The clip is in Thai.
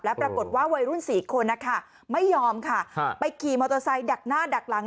ปรากฏว่าวัยรุ่น๔คนนะคะไม่ยอมค่ะไปขี่มอเตอร์ไซค์ดักหน้าดักหลัง